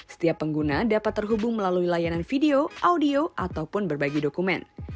setiap pengguna dapat terhubung melalui layanan video audio ataupun berbagi dokumen